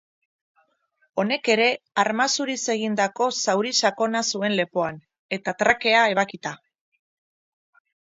Honek ere arma zuriz egindako zauri sakona zuen lepoan, eta trakea ebakita.